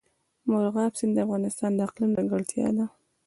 مورغاب سیند د افغانستان د اقلیم ځانګړتیا ده.